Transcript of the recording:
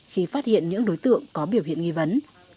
khi phát hiện những đối tượng có biểu hiện nghi vấn